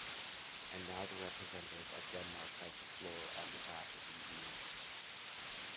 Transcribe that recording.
And now the representative of Denmark has the floor on behalf of the EU.